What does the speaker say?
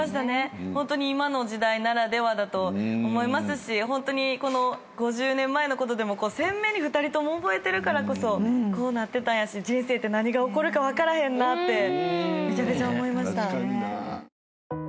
ホントに今の時代ならではだと思いますしホントに５０年前のことでも鮮明に２人とも覚えてるからこそこうなってたんやし人生って何が起こるか分からへんなってめちゃくちゃ思いました。